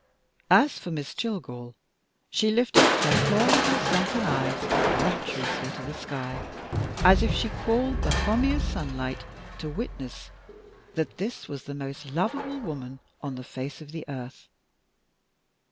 As for Miss Jillgall, she lifted her poor little sunken eyes rapturously to the sky, as if she called the homiest sunlight to witness that this was the most lovable woman on the face of the earth.